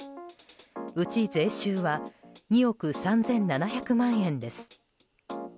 うち税収は２億３７００万円です。